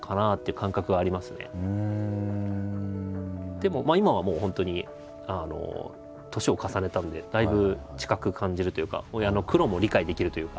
でも今はもう本当に年を重ねたんでだいぶ近く感じるというか親の苦労も理解できるというか。